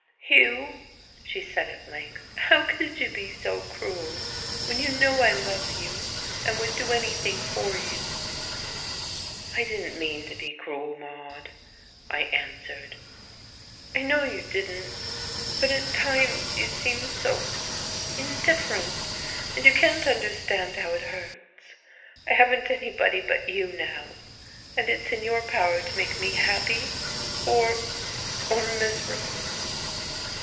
"Hugh," she said at length, "how could you be so cruel? when you know I love you and would do anything for you." "I didn't mean to be cruel, Maude," I answered. "I know you didn't. But at times you seem so indifferent, and you can't understand how it hurts. I haven't anybody but you, now, and it's in your power to make me happy or or miserable."